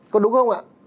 có đúng không ạ